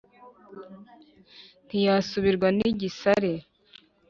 Ntiyasubirwa n'igisare